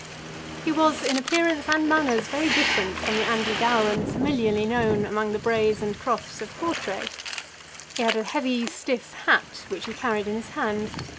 He was in appearance and manners very different from the Andy Gowran familiarly known among the braes and crofts of Portray. He had a heavy stiff hat, which he carried in his hand.